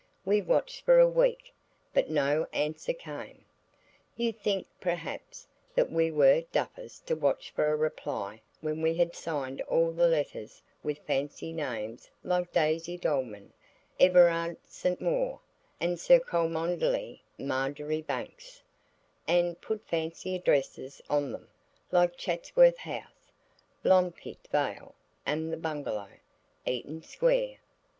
We watched for a week, but no answer came. You think, perhaps, that we were duffers to watch for a reply when we had signed all the letters with fancy names like Daisy Dolman, Everard St Maur, and Sir Cholmondely Marjoribanks, and put fancy addresses on them, like Chatsworth House, Loampit Vale, and The Bungalow, Eaton Square.